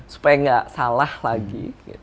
supaya nggak salah lagi